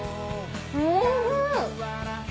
おいしい！